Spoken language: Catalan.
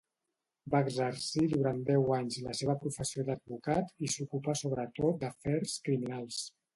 Va exercir durant deu anys la seva professió d'advocat i s'ocupà sobretot d'afers criminals.